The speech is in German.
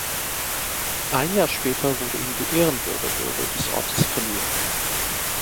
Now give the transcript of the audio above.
Ein Jahr später wurde ihm die Ehrenbürgerwürde des Ortes verliehen.